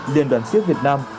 điện đoàn siếc việt nam